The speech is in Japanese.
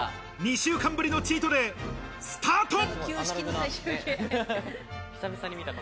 ２週間ぶりのチートデイ、スタート！